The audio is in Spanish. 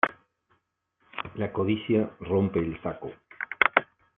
La codicia rompe el saco.